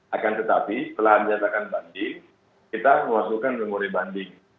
akan tetapi setelah menyatakan banding kita menghasilkan memori banding